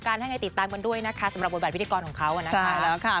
ถ้าอย่างไรติดตามกันด้วยนะคะสำหรับบทบาทพิธีกรของเขานะคะใช่แล้วค่ะ